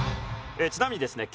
ちなみにですね